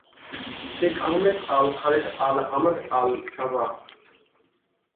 Sheikh Ahmed Al Khaled Al Hamad আল-সাবাহ।